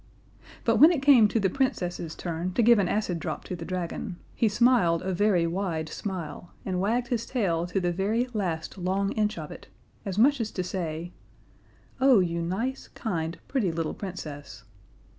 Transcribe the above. But when it came to the Princess's turn to give an acid drop to the dragon, he smiled a very wide smile, and wagged his tail to the very last long inch of it, as much as to say, "Oh, you nice, kind, pretty little Princess."